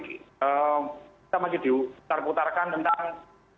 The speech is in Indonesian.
kita masih diutar utar kan tentang